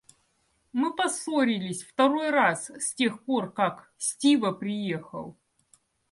Мы поссорились второй раз с тех пор, как... Стива приехал.